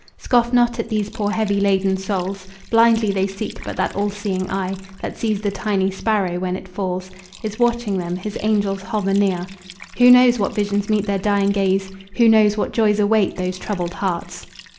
Scoff not at these poor heavy laden souls! Blindly they seek, but that all seeing Eye That sees the tiny sparrow when it falls, Is watching them, His angels hover near. Who knows what visions meet their dying gaze? Who knows what joys await those troubled hearts?